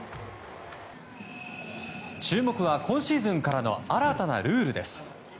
注目は今シーズンからの新たなルールです。